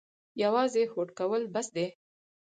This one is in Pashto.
یوازې هوډ کول بس دي؟